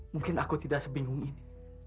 mungkin aku tidak sebingung ini